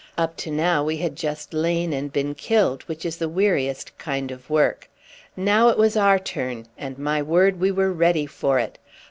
Up to now we had just lain and been killed, which is the weariest kind of work. Now it was our turn, and, my word, we were ready for it.